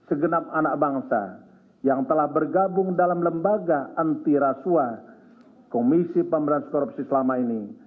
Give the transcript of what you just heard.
segenap anak bangsa yang telah bergabung dalam lembaga antirasua komisi pemberantasan korupsi selama ini